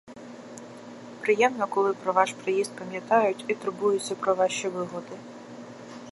Приємно, коли про ваш приїзд пам'ятають і турбуються про ваші вигоди!